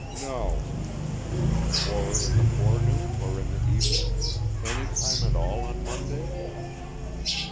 "No." "Or in the forenoon or in the evening? Any time at all on Monday?"